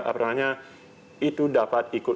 apalagi itu dapat ikut